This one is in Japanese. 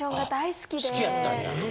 好きやったんや。